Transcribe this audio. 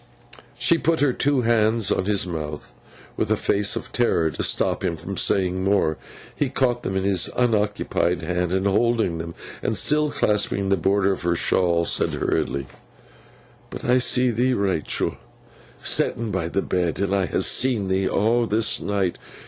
She put her two hands on his mouth, with a face of terror, to stop him from saying more. He caught them in his unoccupied hand, and holding them, and still clasping the border of her shawl, said hurriedly: 'But I see thee, Rachael, setten by the bed. I ha' seen thee, aw this night.